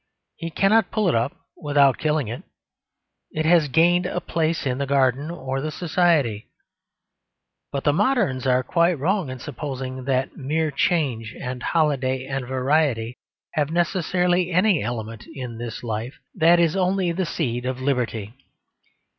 He cannot pull it up without killing it; it has gained a place in the garden or the society. But the moderns are quite wrong in supposing that mere change and holiday and variety have necessarily any element of this life that is the only seed of liberty.